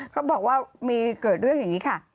เขาบอกว่ามีเกิดเรื่องอย่างนี้ค่ะ